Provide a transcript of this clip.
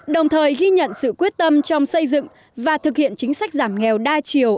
đồng thời ghi nhận sự quyết tâm trong xây dựng và thực hiện chính sách giảm nghèo đa chiều